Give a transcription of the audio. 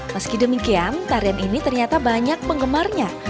meski demikian tarian ini ternyata banyak penggemarnya